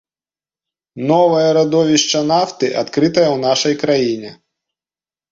Новае радовішча нафты адкрытае ў нашай краіне.